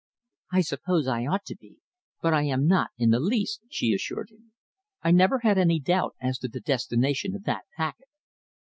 "I suppose I ought to be, but I am not in the least," she assured him. "I never had any doubt as to the destination of that packet."